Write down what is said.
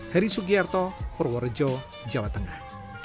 hari sugiharto purworejo jawa tengah